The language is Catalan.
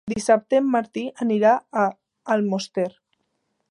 Dissabte en Martí anirà a Almoster.